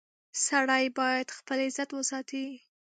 • سړی باید خپل عزت وساتي.